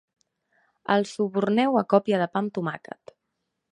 Els suborneu a còpia de pa amb tomàquet.